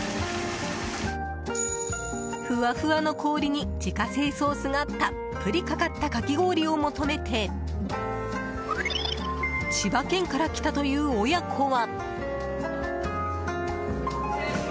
ふわふわの氷に自家製ソースがたっぷりかかったかき氷を求めて千葉県から来たという親子は。